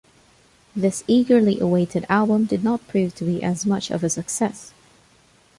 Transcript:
This eagerly awaited album did not prove to be as much of a success.